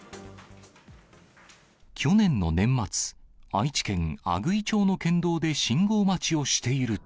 去年の年末、愛知県阿久比町の県道で信号待ちをしていると。